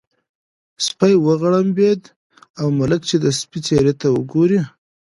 سپی وغړمبېد او ملک چې د سپي څېرې ته وګوري.